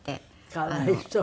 かわいそう。